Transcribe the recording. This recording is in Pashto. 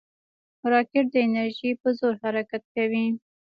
راکټ د انرژۍ په زور حرکت کوي